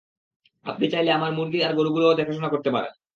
আপনি চাইলে আমরা মুরগি আর গরুগুলোরও দেখাশোনা করতে পারেন।